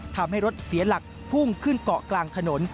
ทำให้รถเสียหลักพุ่งขึ้นเกาะกลางถนน